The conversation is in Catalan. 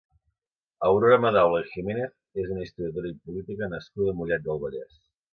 Aurora Madaula i Giménez és una historiadora i política nascuda a Mollet del Vallès.